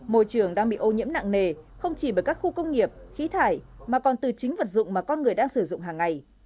môi trường đang bị ô nhiễm nặng nề không chỉ bởi các khu công nghiệp khí thải mà còn từ chính vật dụng mà con người đang sử dụng hàng ngày